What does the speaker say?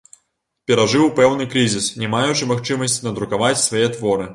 Перажыў пэўны крызіс, не маючы магчымасці надрукаваць свае творы.